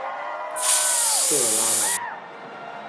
塞拉农。